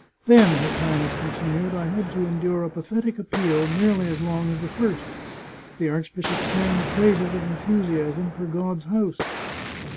Then,' his Highness continued, ' I had to endure a pathetic appeal nearly as long as the first. The archbishop sang the praises of en thusiasm for God's house.